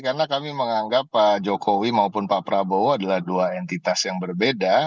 karena kami menganggap pak jokowi maupun pak prabowo adalah dua entitas yang berbeda